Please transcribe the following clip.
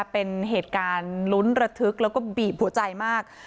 เป็นเหตุการณ์ลุ้นระทึกแล้วก็บีบหัวใจมาก